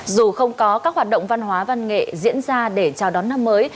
dù không có các hoạt động văn hóa văn nghệ diễn ra để chào đón năm mới